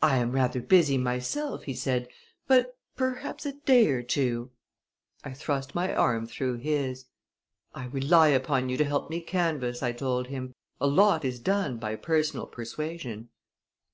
"I am rather busy myself," he said; "but perhaps a day or two " I thrust my arm through his. "I rely upon you to help me canvass," I told him. "A lot is done by personal persuasion."